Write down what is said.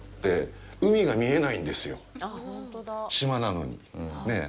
海が見えないんですよ、島なのに。ねぇ。